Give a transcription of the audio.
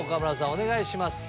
お願いします。